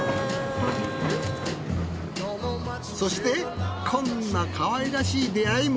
そしてこんなかわいらしい出会いも。